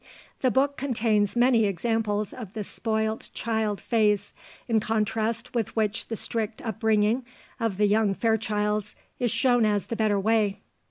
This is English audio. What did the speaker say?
The book contains many examples of the spoilt child phase, in contrast with which the strict upbringing of the young Fairchilds is shown as the better way.